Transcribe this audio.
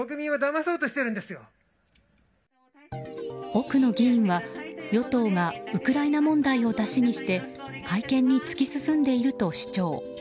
奥野議員は、与党がウクライナ問題をだしにして改憲に突き進んでいると主張。